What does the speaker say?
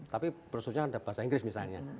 tapi prosesnya ada bahasa inggris misalnya